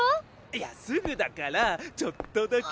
いあすぐだからちょっとだけ。